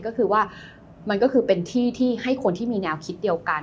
ก็คือว่ามันก็คือเป็นที่ที่ให้คนที่มีแนวคิดเดียวกัน